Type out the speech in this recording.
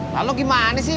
lalu gimana sih